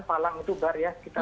palang itu bar ya